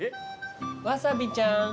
わさびちゃん。